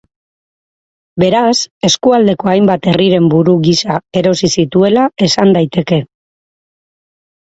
Beraz, eskualdeko hainbat herriren buru gisa erosi zituela esan daiteke.